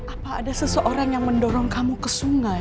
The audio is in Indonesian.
apa ada seseorang yang mendorong kamu ke sungai